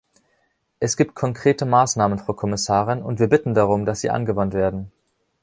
Es gibt konkrete Maßnahmen, Frau Kommissarin, und wir bitten darum, dass sie angewandt werden.